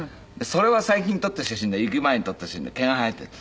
それは最近撮った写真で行く前に撮った写真で毛が生えている。